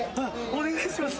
お願いします